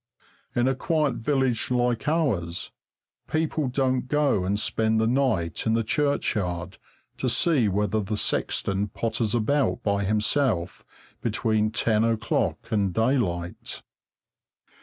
In a quiet village like ours, people don't go and spend the night in the churchyard to see whether the sexton potters about by himself between ten o'clock and daylight.